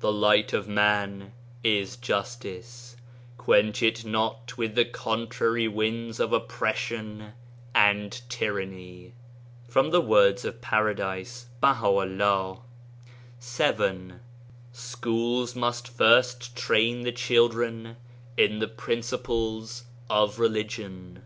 The light of man is justice, quench it not with the contrary winds of oppression and tyranny." 7. " Schools must first train the children in the principles of religion